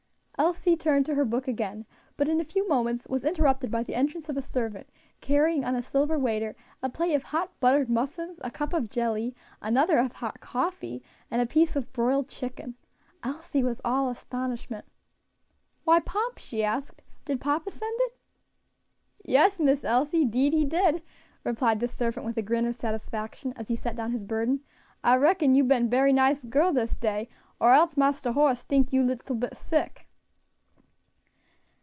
Elsie turned to her book again, but in a few moments was interrupted by the entrance of a servant carrying on a silver waiter a plate of hot, buttered muffins, a cup of jelly, another of hot coffee, and a piece of broiled chicken. Elsie was all astonishment. "Why, Pomp," she asked, "did papa send it?" "Yes, Miss Elsie, 'deed he did," replied the servant, with a grin of satisfaction, as he set down his burden. "I reckon you been berry nice gal dis day; or else Marster Horace tink you little bit sick."